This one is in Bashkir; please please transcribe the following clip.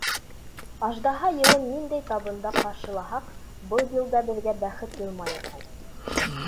Аждаһа йылын ниндәй табында ҡаршылаһаҡ, был йылда беҙгә бәхет йылмайыр һуң?